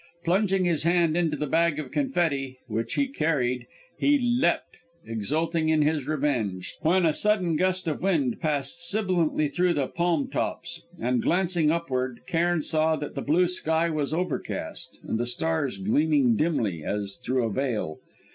Plunging his hand into the bag of confetti, which he carried, he leapt, exulting, to his revenge: when a sudden gust of wind passed sibilantly through the palm tops, and glancing upward, Cairn saw that the blue sky was overcast and the stars gleaming dimly, as through a veil.